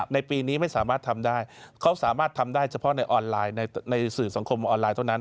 ในปีนี้ไม่สามารถทำได้เขาสามารถทำได้เฉพาะในออนไลน์ในสื่อสังคมออนไลน์เท่านั้น